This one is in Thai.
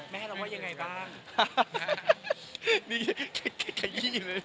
แม่เราว่ายังไงบ้าง